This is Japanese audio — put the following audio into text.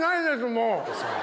もう。